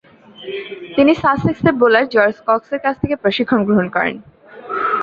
তিনি সাসেক্সের bowler George কক্সের কাছ থেকে প্রশিক্ষণ গ্রহণ করেন।